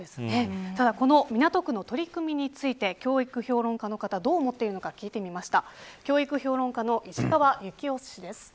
ただ、この港区の取り組みについて教育評論家の方はどう思っているのか聞いてみました。